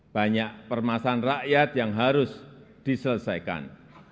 banyak permasalahan rakyat yang harus diselesaikan